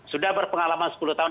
sudah berpengalaman sepuluh tahun